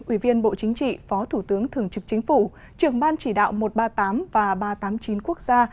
ủy viên bộ chính trị phó thủ tướng thường trực chính phủ trường ban chỉ đạo một trăm ba mươi tám và ba trăm tám mươi chín quốc gia